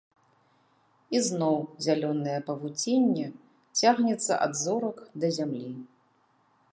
І зноў зялёнае павуцінне цягнецца ад зорак да зямлі.